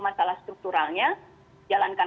masalah strukturalnya jalankan